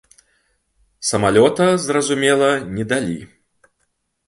Самалёта, зразумела, не далі.